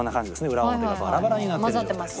裏表がバラバラになってる状態ですね。